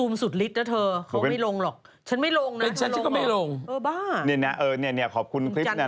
มันอยู่ที่ประเทศจีนไม่ใช่เหมือนที่มันกระโดดแปะยันน่ะ